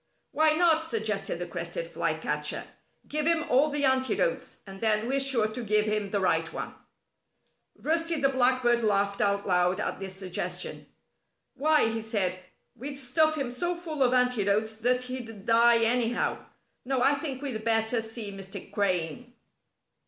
"Why not," suggested the Crested Flycatcher, "give him all the antidotes, and then we're sure to give him the right one." Rusty the Blackbird laughed out loud at this suggestion. "Why," he said, "we'd stuff him so full of antidotes that he'd die anyhow. No, I think we'd better see Mr. Crane."